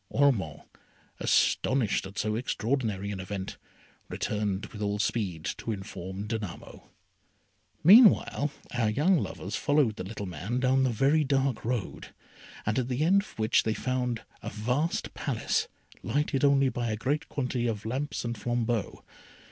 Ormond, astonished at so extraordinary an event, returned with all speed to inform Danamo. Meanwhile our young lovers followed the little man down a very dark road, at the end of which they found a vast Palace, lighted only by a great quantity of lamps and flambeaux.